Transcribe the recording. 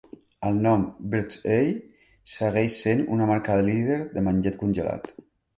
El nom "Birds Eye" segueix sent una marca líder de menjar congelat.